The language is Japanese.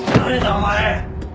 お前！